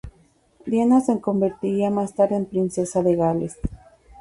Diana se convertiría más tarde en Princesa de Gales.